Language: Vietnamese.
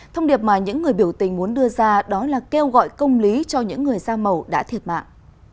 thông điệp mà những người biểu tình muốn đưa ra đó là kêu gọi công lý cho những người da màu đã thiệt mạng